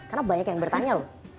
karena banyak yang bertanya